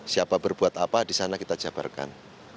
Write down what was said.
siapa berbuat apa disana kita jabarkan